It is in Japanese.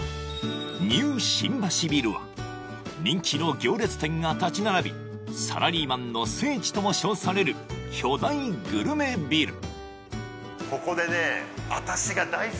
ニュー新橋ビルは人気の行列店が立ち並びサラリーマンの聖地とも称される巨大グルメビル